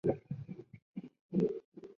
洼点蓼为蓼科蓼属下的一个变种。